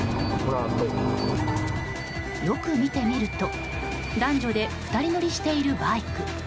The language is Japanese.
よく見てみると男女で２人乗りしているバイク。